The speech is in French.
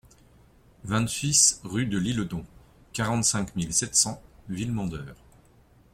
vingt-six rue de Lisledon, quarante-cinq mille sept cents Villemandeur